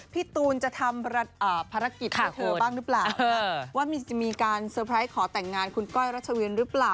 พี่ตูนจะทำภารกิจให้เธอบ้างหรือเปล่าว่าจะมีการเซอร์ไพรส์ขอแต่งงานคุณก้อยรัชวินหรือเปล่า